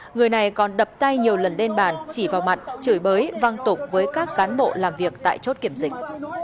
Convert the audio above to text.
người này còn đập tay nhiều lần lên bàn chỉ vào mặt chửi bới văng tục với các cán bộ làm việc tại chốt kiểm dịch